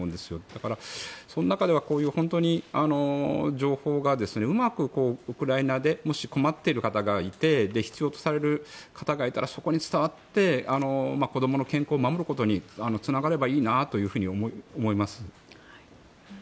だから、その中ではこういう本当に情報がうまくウクライナでもし困っている方がいて必要とされる方がいたらそこに伝わって子どもの健康を守ることにつながればいいなと思います。